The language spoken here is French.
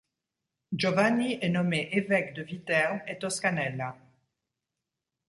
Giovanni est nommé évêque de Viterbe et Toscanella.